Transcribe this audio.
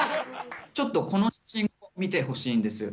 ちょっとこの写真を見てほしいんですよ。